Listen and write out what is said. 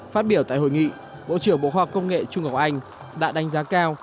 phát biểu tại hội nghị bộ trưởng bộ khoa học công nghệ trung học anh đã đánh giá cao